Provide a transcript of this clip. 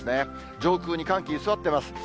上空に寒気、居座ってます。